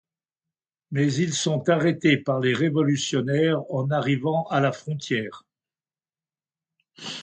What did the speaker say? Mais ils sont arrêtés par les révolutionnaires en arrivant à la frontière.